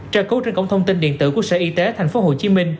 tra cứu trên cổng thông tin điện tử của sở y tế tp hcm